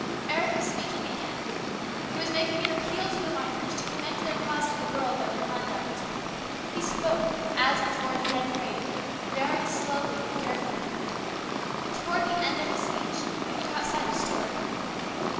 Eric was speaking again. He was making an appeal to the miners to commend their cause to the world by their conduct. He spoke, as before he had prayed, very slowly and carefully. Toward the end of his speech he caught sight of Stuart.